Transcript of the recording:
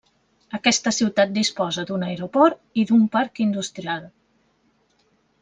Aquesta ciutat disposa d'un aeroport i d'un parc industrial.